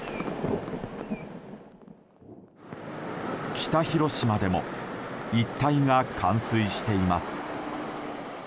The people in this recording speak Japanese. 北広島でも一帯が冠水しています。